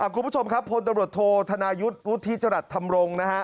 คุณผู้ชมครับพลตำรวจโทษธนายุทธ์วุฒิจรัสธรรมรงค์นะฮะ